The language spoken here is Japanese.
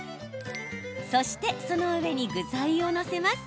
そして、その上に具材を載せます。